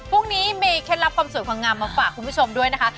พรุ่งนี้มีเคล็ดลับความสวยความงามมาฝากคุณผู้ชมด้วยนะคะ